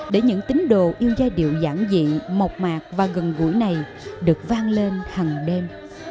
để những tính đồ yêu giai điệu giảng dị mộc mạc và gần gũi này được vang lên hàng đêm